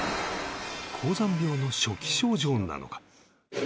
高山病の初期症状なのか？